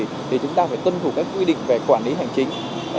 thì chúng ta phải tuân thủ các quy định về quản lý hành chính